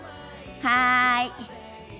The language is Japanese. はい。